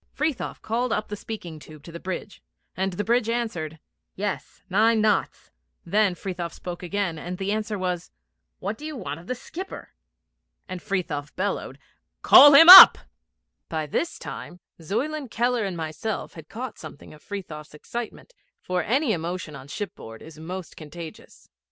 Frithiof called up the speaking tube to the bridge, and the bridge answered, 'Yes, nine knots.' Then Frithiof spoke again, and the answer was, 'What do you want of the skipper?' and Frithiof bellowed, 'Call him up.' By this time Zuyland, Keller, and myself had caught something of Frithiof's excitement, for any emotion on shipboard is most contagious.